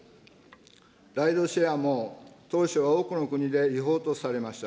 ライドシェアも当初は多くの国で違法とされました。